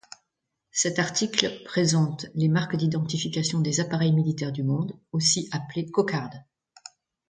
Cet article présente les marques d'identification des appareils militaires du monde, aussi appelés cocardes.